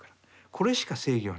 これしか正義はない。